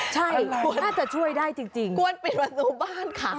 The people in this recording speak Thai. ใช่ควรควรปิดประตูบ้านค่ะ